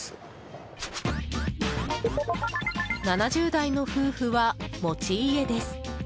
７０代の夫婦は持ち家です。